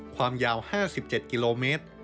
ความยาว๕๗กิโลเมตร